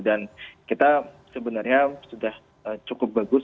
dan kita sebenarnya sudah cukup bagus